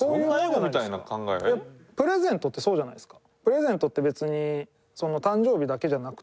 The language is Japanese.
プレゼントってそうじゃないですか。